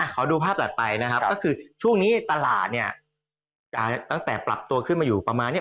ก็ช่องนี่ทราบเนี่ยตราบตรับตัวขึ้นมาเท่าไหร่